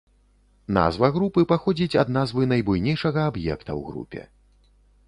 Назва групы паходзіць ад назвы найбуйнейшага аб'екта ў групе.